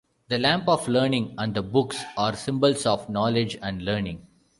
The lamp of learning and the books are symbols of knowledge and learning.